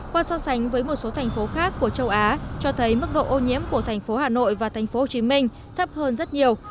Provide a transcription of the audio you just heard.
qua so sánh với một số thành phố khác của châu á cho thấy mức độ ô nhiễm của thành phố hà nội và thành phố hồ chí minh thấp hơn rất nhiều